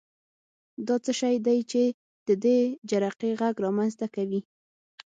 دا څه شی دی چې د دې جرقې غږ رامنځته کوي؟